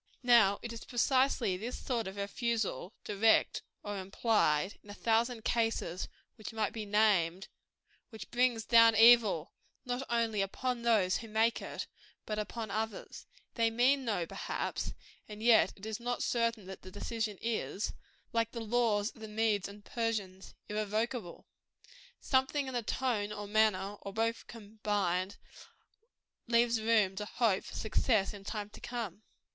Now it is precisely this sort of refusal, direct or implied, in a thousand cases which might be named, which brings down evil, not only upon those who make it, but upon others. They mean no, perhaps; and yet it is not certain that the decision is like the laws of the Medea and Persians irrevocable. Something in the tone, or manner, or both combined, leaves room to hope for success in time to come.